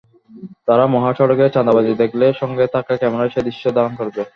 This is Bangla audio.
তারা মহাসড়কে চাঁদাবাজি দেখলেই সঙ্গে থাকা ক্যামেরায় সেই দৃশ্য ধারণ করবে।